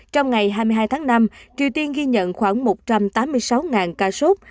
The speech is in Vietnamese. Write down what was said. trong ngày hai mươi hai tháng năm triều tiên ghi nhận khoảng một trăm tám mươi sáu ca sốt